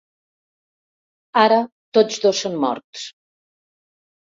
Ara tots dos són morts.